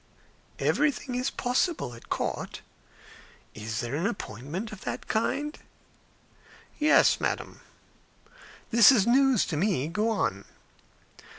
"Everything is possible at court. Is there an appointment of that kind?" "Yes, madam." "This is news to me. Go on."